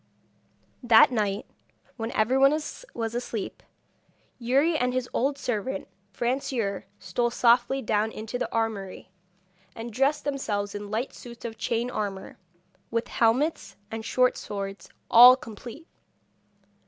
That night, when everyone was asleep, Youri and his old servant Francoeur, stole softly down into the armoury, and dressed themselves in light suits of chain armour, with helmets and short swords, all complete.